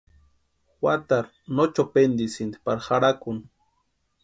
Juatarhu no chopentisïnti pari jarhakuni.